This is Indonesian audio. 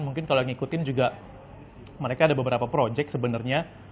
mungkin kalau yang ngikutin juga mereka ada beberapa project sebenarnya